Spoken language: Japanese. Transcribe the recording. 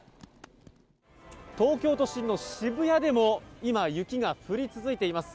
東京都心の渋谷でも今、雪が降り続いています。